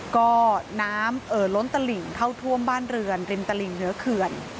ก็น้ำเอ่อล้นตลิ่งเข้าท่วมบ้านเรือนริมตลิ่งเหนือเขื่อน